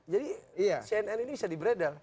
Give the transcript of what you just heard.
jadi cnn ini bisa dibreadel